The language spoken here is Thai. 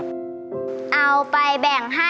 ขอบคุณค่ะ